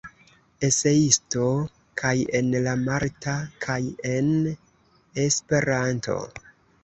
Eseisto kaj en la malta kaj en Esperanto.